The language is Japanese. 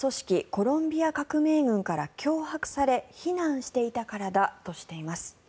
コロンビア革命軍から脅迫され避難していたからだとしています。